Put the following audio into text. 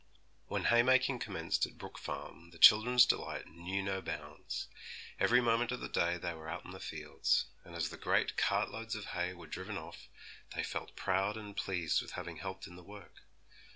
When haymaking commenced at Brook Farm the children's delight knew no bounds. Every moment of the day they were out in the fields; and as the great cart loads of hay were driven off, they felt proud and pleased with having helped in the work.